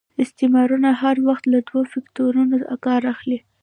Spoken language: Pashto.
استعمارونه هر وخت له دوه فکټورنو کار اخلي.